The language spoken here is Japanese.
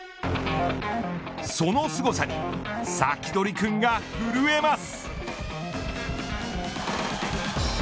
そのすごさにサキドリくんが震えます。